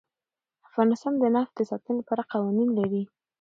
افغانستان د نفت د ساتنې لپاره قوانین لري.